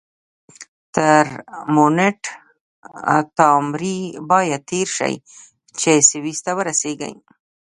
تر مونټ تاماري باید تېر شئ چې سویس ته ورسیږئ.